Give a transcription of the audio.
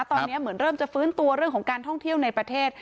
ตอนนี้เหมือนเริ่มจะฟื้นตัวเรื่องของการท่องเที่ยวในประเทศ